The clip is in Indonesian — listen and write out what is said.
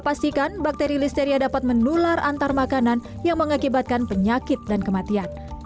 pastikan bakteri listeria dapat menular antar makanan yang mengakibatkan penyakit dan kematian